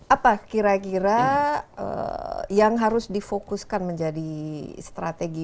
apa kira kira yang harus difokuskan menjadi strategi